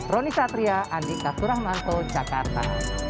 roni satria andika suramanto jakarta